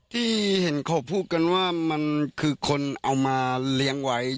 ที่เห็นเขาพูดกันว่ามันคือคนเอามาเลี้ยงไว้